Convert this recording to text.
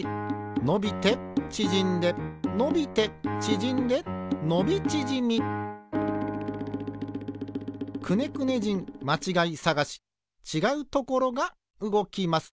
のびてちぢんでのびてちぢんでのびちぢみ「くねくね人まちがいさがし」ちがうところがうごきます。